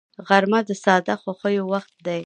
غرمه د ساده خوښیو وخت دی